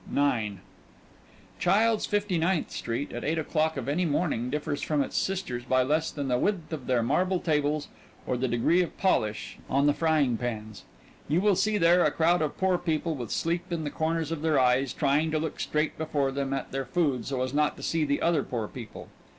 IX "Childs', Fifty ninth Street," at eight o'clock of any morning differs from its sisters by less than the width of their marble tables or the degree of polish on the frying pans. You will see there a crowd of poor people with sleep in the corners of their eyes, trying to look straight before them at their food so as not to see the other poor people.